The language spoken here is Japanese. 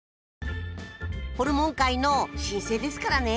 ホルモン界の新星ですからね。